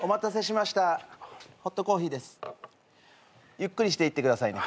ゆっくりしていってくださいね。